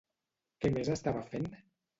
Què més estava fent?